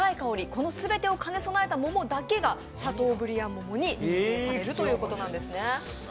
この全てを兼ね備えた桃だけがシャトーブリアン桃に認定されるということなんですね。